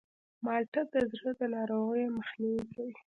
مالټه د زړه د ناروغیو مخنیوی کوي.